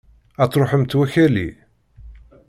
Ad truḥemt wakali!